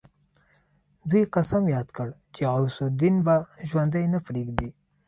دوی قسم ياد کړ چې غوث الدين به ژوندی نه پريږدي.